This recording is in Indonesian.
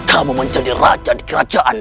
kamu menjadi raja di kerajaan